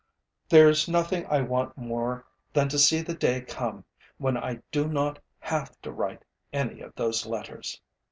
There is nothing I want more than to see the day come when I do not have to write any of those letters.